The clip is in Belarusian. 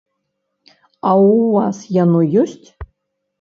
А ў вас яно ёсць?